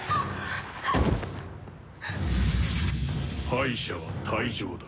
敗者は退場だ。